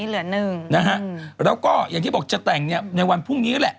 แล้วก็อย่างที่บอกจะแต่งในวันพรุ่งนี้แหละ